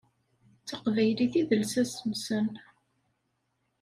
D taqbaylit i d lsas-nsen.